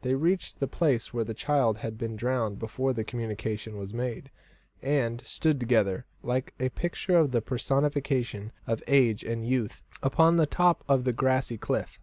They reached the place where the child had been drowned before the communication was made, and stood together, like a picture of the personification of age and youth, upon the top of the grassy cliff.